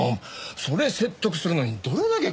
それ説得するのにどれだけ苦労したか。